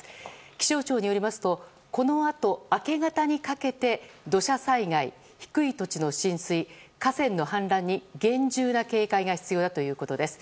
気象庁によりますとこのあと明け方にかけて土砂災害、低い土地の浸水河川の氾濫に厳重な警戒が必要ということです。